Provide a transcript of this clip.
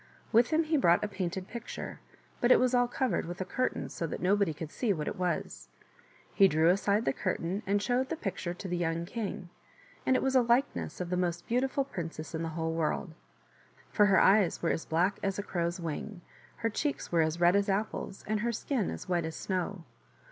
With him he brought a painted picture, but it was all covered with a curtain so that nobody could see what it was. He drew aside the curtain and showed the picture to the young king, and it was a likeness of the most beautiful princess in the whole world ; for 1 8 THE WATER OF LIFE. her eyes were as black as a crow's wing, her cheeks were as red as apples, and her skin as white as snow.